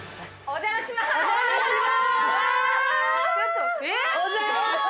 お邪魔します。